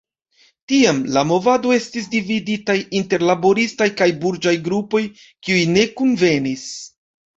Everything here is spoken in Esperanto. Tiam la movado estis dividitaj inter laboristaj kaj burĝaj grupoj, kiuj ne kunvenis.